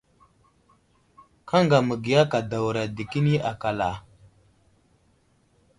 Kaŋga məgiya kadawra dəkeni akal a ?